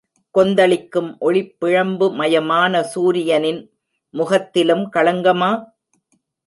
கொந்தளிக்கும் ஒளிப்பிழம்புமயமான சூரியனின் முகத்திலும் களங்கமா?